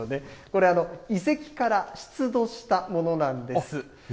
これ、遺跡から出土したものなんです。